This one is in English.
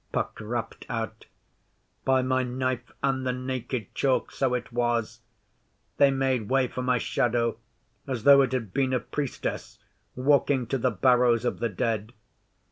Puck rapped out. 'By my Knife and the Naked Chalk, so it was! They made way for my shadow as though it had been a Priestess walking to the Barrows of the Dead.